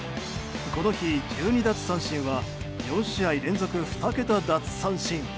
この日、１２奪三振は４試合連続２桁奪三振。